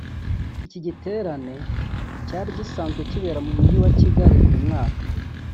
Iki giterane cyari gisazwe kibera mu Mujyi wa Kigali buri mwaka